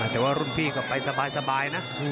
แต่ว่ารุ่นพี่ก็ไปสบายนะ